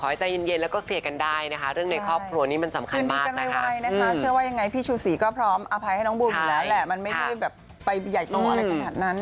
อย่างงี้ได้เหมือนกันบ้าง